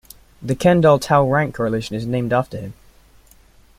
The Kendall tau rank correlation is named after him.